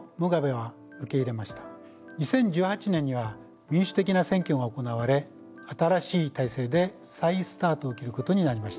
２０１８年には民主的な選挙が行われ新しい体制で再スタートを切ることになりました。